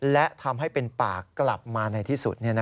และทำให้เป็นปากกลับมาในที่สุด